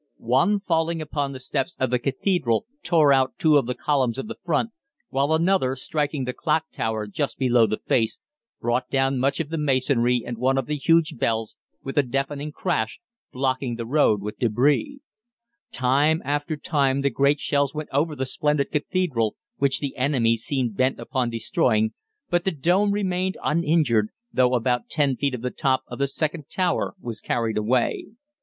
One falling upon the steps of the Cathedral tore out two of the columns of the front, while another, striking the clock tower just below the face, brought down much of the masonry and one of the huge bells, with a deafening crash, blocking the road with débris. Time after time the great shells went over the splendid Cathedral, which the enemy seemed bent upon destroying, but the dome remained uninjured, though about ten feet of the top of the second tower was carried away.